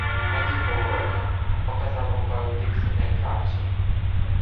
— На тій половині, — показав рукою в бік сіней кравчий.